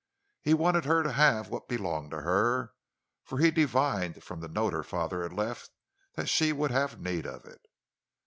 He wanted her to have what belonged to her, for he divined from the note her father had left that she would have need of it.